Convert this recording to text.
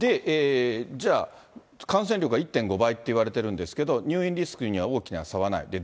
じゃあ、感染力が１．５倍っていわれてるんですけれども、入院リスクには大きな差はない。